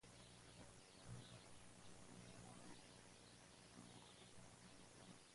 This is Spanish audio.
Esta especie posee un vuelo errático y suele posarse en ramas.